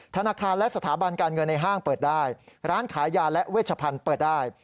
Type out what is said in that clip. ธนาคารและสถาบันการเงินในห้างเปิดได้ร้านขายยาและเวชพันธุ์เปิดได้